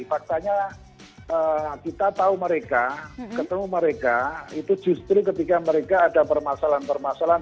faktanya kita tahu mereka ketemu mereka itu justru ketika mereka ada permasalahan permasalahan